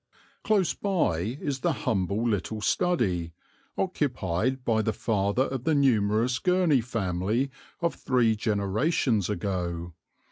Close by is the humble little study occupied by the father of the numerous Gurney family of three generations ago.